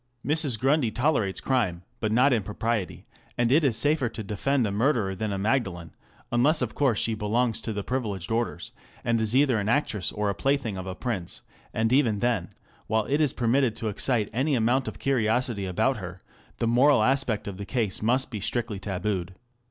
Mrs. Grundy tolerates crime, but not impropriety ; and it is safer to defend a murderer than a Magdalen, unless of course she belongs to the privileged orders, and is either an actress or the plaything of a prince ; and even then, while it is permitted to excite any amount of curiosity about her, the moral aspect of the case must be strictly tabooed.